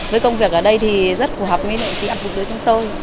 với công việc ở đây thì rất phù hợp với những chị áp dụng đứa trong tôi